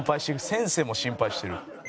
先生も心配してる。